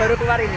baru keluar ini